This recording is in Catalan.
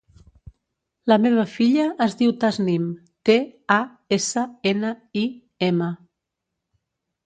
La meva filla es diu Tasnim: te, a, essa, ena, i, ema.